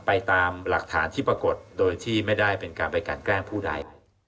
ไปตามหลักฐานที่ปรากฏโดยที่ไม่ได้เป็นการไปกันแกล้งผู้ใด